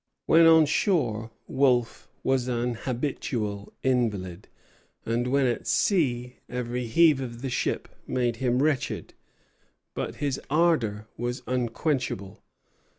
When on shore Wolfe was an habitual invalid, and when at sea every heave of the ship made him wretched; but his ardor was unquenchable.